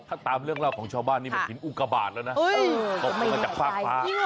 ถ้าตามเรื่องเล่าของชาวบ้านนี้มันเหมือนหินอุกระบาดแล้วนะ